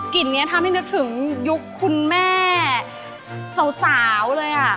่นนี้ทำให้นึกถึงยุคคุณแม่สาวเลยอ่ะ